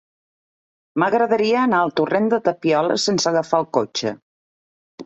M'agradaria anar al torrent de Tapioles sense agafar el cotxe.